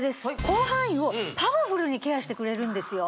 広範囲をパワフルにケアしてくれるんですよ